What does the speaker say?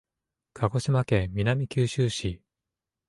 鹿児島県南九州市